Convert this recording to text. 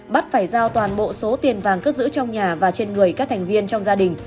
bắt phải giao toàn bộ số tiền vàng cất giữ trong nhà và trên người các thành viên trong gia đình